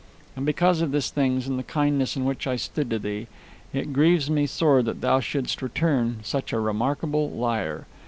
And because of these things, and the kindness in which I stood to thee, it grieves me sore that thou shouldst return such a remarkable liar.